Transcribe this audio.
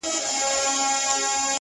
• په دربار کي په نارو سوه په ځغستا سوه,